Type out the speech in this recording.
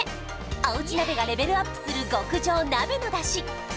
おうち鍋がレベルアップする極上鍋の出汁